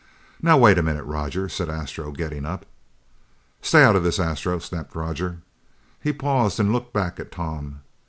"Now, wait a minute, Roger," said Astro, getting up. "Stay out of this, Astro!" snapped Roger. He paused and looked back at Tom.